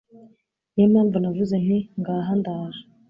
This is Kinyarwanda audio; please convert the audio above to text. ni yo mpamvu navuze nti Ngaha ndaje